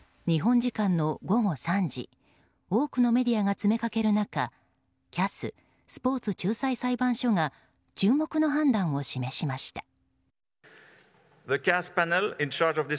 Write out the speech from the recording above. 日本時間の午後３時多くのメディアが詰めかける中ＣＡＳ・スポーツ仲裁裁判所が注目の判断を示しました。